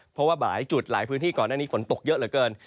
เพราะว่าหลายจุดหลายพื้นที่ก่อนหน้านี้ฝนตกเยอะเหลือเกิน